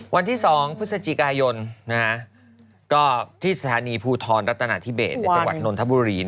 วันที่๒พฤศจิกายนก็ที่สถานีภูทรรัฐนาธิเบสในจังหวัดนนทบุรี